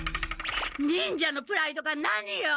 忍者のプライドが何よ！